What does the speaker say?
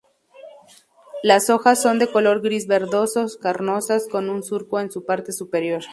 Las hojas son de color gris-verdoso, carnosas, con un surco en su parte superior.